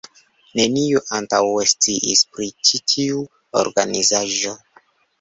Neniu antaŭe sciis pri ĉi tiu organizaĵo.